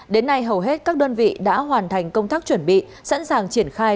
đến nay hầu hết các đơn vị đã hoàn thành công tác chuẩn bị sẵn sàng triển khai